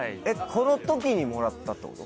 この時にもらったってこと？